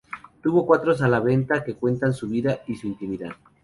Tuvo cuatro libros a la venta que cuentan su vida y su intimidad.